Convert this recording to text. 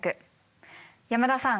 山田さん